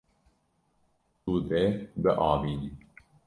Tu dê biavînî.